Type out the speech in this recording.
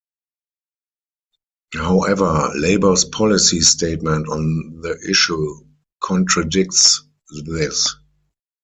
However, Labor's policy statement on the issue contradicts this.